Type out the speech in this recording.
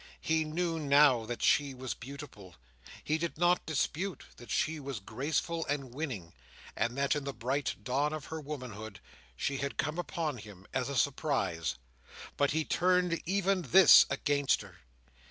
He knew now that she was beautiful; he did not dispute that she was graceful and winning, and that in the bright dawn of her womanhood she had come upon him, a surprise. But he turned even this against her.